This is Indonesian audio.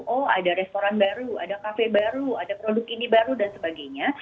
oh ada restoran baru ada kafe baru ada produk ini baru dan sebagainya